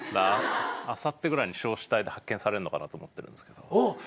あさってぐらいに焼死体で発見されんのかなと思ってるんですけど。